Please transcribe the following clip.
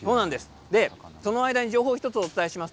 その間に情報を１つお伝えします。